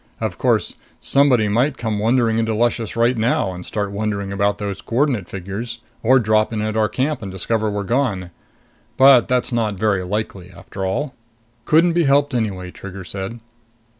Of course, somebody might come wandering into Luscious right now and start wondering about those coordinate figures, or drop in at our camp and discover we're gone. But that's not very likely, after all." "Couldn't be helped anyway," Trigger said.